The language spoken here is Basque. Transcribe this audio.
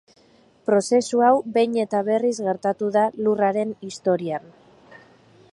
Prozesu hau, behin eta berriz gertatu da Lurraren historian.